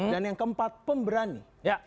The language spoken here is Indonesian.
dan yang keempat pemberani